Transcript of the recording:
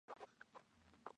El clima era templado.